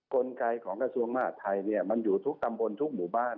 กลไกของกระทรวงมหาดไทยมันอยู่ทุกตำบลทุกหมู่บ้าน